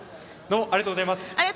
ありがとうございます。